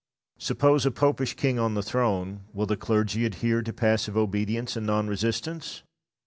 Suppose a Popish king on the throne, will the clergy adhere to passive obedience and non resistance?